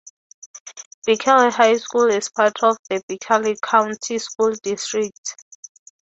Berkeley High School is a part of the Berkeley County School District.